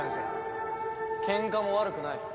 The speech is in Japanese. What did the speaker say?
ケンカも悪くない。